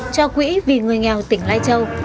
cho quỹ vì người nghèo tỉnh lai châu